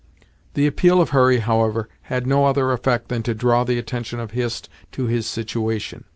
The appeal of Hurry, however, had no other effect than to draw the attention of Hist to his situation.